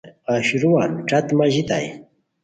اشروان ݯت ماژیتائے